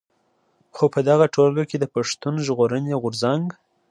خو په دغه ټولګه کې د پښتون ژغورني غورځنګ.